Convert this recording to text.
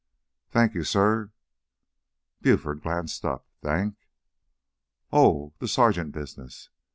"Thank you, suh." Buford glanced up. "Thank ? Oh, the sergeant business.